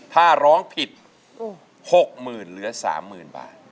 ถ้าร้องผิด๖๐๐๐เหลือ๓๐๐๐บาท